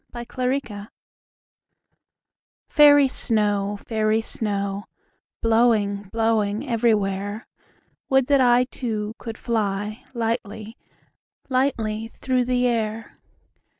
Snow Song FAIRY snow, fairy snow, Blowing, blowing everywhere, Would that I Too, could fly Lightly, lightly through the air.